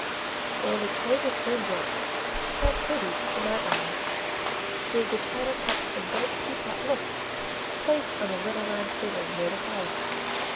And a tray was soon brought. How pretty, to my eyes, did the china cups and bright teapot look, placed on the little round table near the fire!